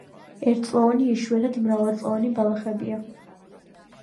ერთწლოვანი, იშვიათად მრავალწლოვანი ბალახებია.